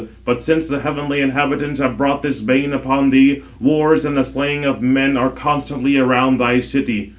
But since the heavenly inhabitants have brought this bane upon thee, wars and the slaying of men are constantly around thy city.